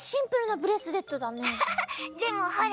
でもほら！